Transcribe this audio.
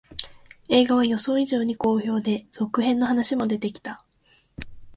映画は予想以上に好評で、続編の話も出てきた